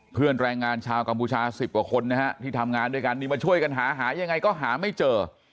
แรงงานชาวกัมพูชา๑๐กว่าคนนะฮะที่ทำงานด้วยกันนี่มาช่วยกันหาหายังไงก็หาไม่เจอ